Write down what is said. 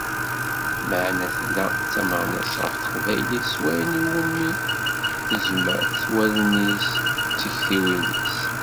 Meεna tella d tameɣnast ɣef Teqbaylit, s wayen iwumu tezmer, s wawalen-is d tektiwin-is.